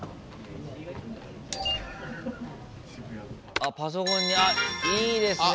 あパソコンにあっいいですね！